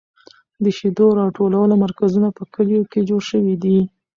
د شیدو راټولولو مرکزونه په کلیو کې جوړ شوي دي.